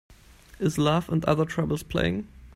Is Love and Other Troubles playing